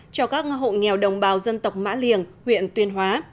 cho các hộ nghèo đồng bào dân tộc mã liềng huyện tuyên hóa